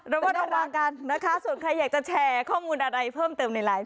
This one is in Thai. ระวังกันนะคะส่วนใครอยากจะแชร์ข้อมูลอะไรเพิ่มเติมในไลฟ์